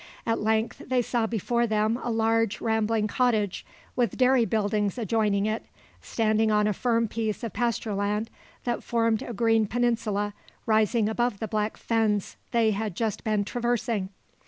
At length, they saw before them a large rambling cottage, with dairy buildings adjoining it, standing on a firm piece of pasture land that formed a green peninsula rising above the black fens they had just been traversing.